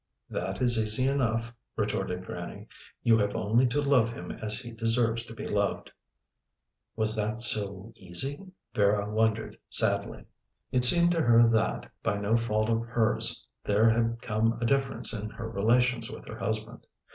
"That is easy enough," retorted Grannie. "You have only to love him as he deserves to be loved." "Was that so easy?" Vera wondered sadly. It seemed to her that, by no fault of hers, there had come a difference in her relations with her husband.